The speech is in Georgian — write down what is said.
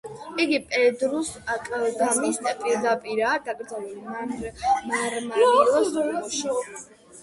იგი პედრუს აკლდამის პირდაპირაა დაკრძალული, მარმარილოს კუბოში.